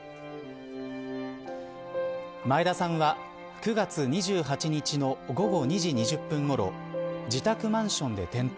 前田さんは９月２８日の午後２時２０分ごろ自宅マンションで転倒。